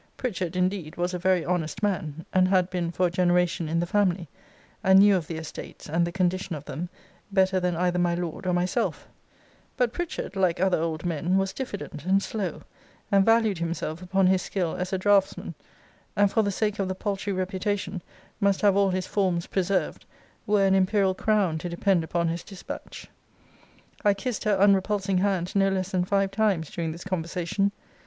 Pritchard, indeed, was a very honest man; and had been for a generation in the family; and knew of the estates, and the condition of them, better than either my Lord or myself: but Pritchard, like other old men, was diffident and slow; and valued himself upon his skill as a draughts man; and, for the sake of the paltry reputation, must have all his forms preserved, were an imperial crown to depend upon his dispatch. I kissed her unrepulsing hand no less than five times during this conversation.